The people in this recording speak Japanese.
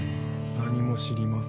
何も知りません